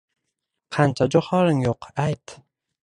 Qancha joʻhoring yoʻq, ayt.